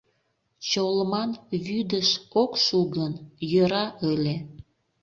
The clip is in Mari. Чолман вӱдыш ок шу гын, йӧра ыле.